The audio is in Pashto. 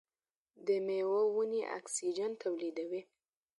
د میوو ونې اکسیجن تولیدوي.